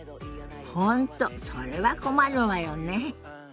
本当それは困るわよね。